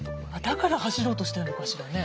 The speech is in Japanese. だから走ろうとしてるのかしらね？